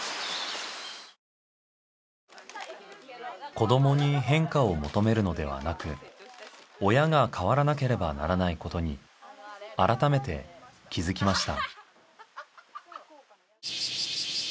子どもに変化を求めるのではなく親が変わらなければならないことに改めて気づきました。